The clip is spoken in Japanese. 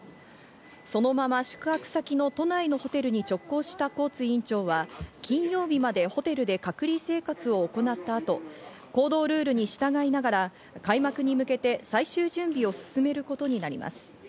そのまま宿泊先の都内のホテルに直行したコーツ委員長は、金曜日までホテルで隔離生活を行った後、行動ルールに従いながら開幕に向けて最終準備を進めることになります。